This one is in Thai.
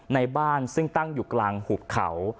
ในบ้านซึ่งตั้งอยู่กลางหุบเขา